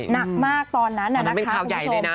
หนักมากตอนนั้นน่ะนะคะคุณผู้ชม